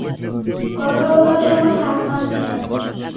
কথা বলার সময় হাত নাড়ছেন।